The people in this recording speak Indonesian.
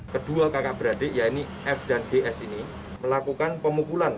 kedua kakak beradik f dan g ini melakukan pemukulan